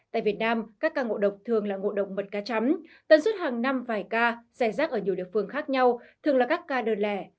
tại việt nam các ca ngộ độc thường là ngộ độc mật cá chấm tần suốt hàng năm vài ca giải rác ở nhiều địa phương khác nhau thường là các ca đơn lẻ